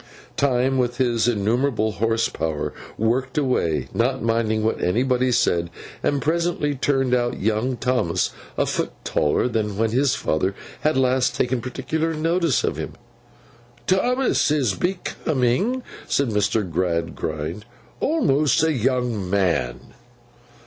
Time, with his innumerable horse power, worked away, not minding what anybody said, and presently turned out young Thomas a foot taller than when his father had last taken particular notice of him. 'Thomas is becoming,' said Mr. Gradgrind, 'almost a young man.